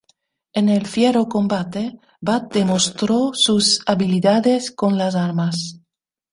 En el fiero combate Bat demostró sus habilidades con las armas.